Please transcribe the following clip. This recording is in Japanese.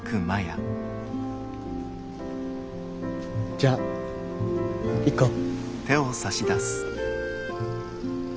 じゃ行こう。